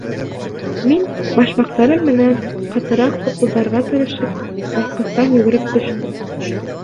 Мин башмаҡтарым менән ҡатыраҡ туҡылдарға тырышып, баҫҡыстан йүгереп төштөм.